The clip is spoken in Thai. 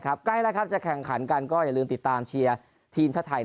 ใกล้แล้วครับจะแข่งขันกันก็อย่าลืมติดตามเชียร์ทีมชาติไทย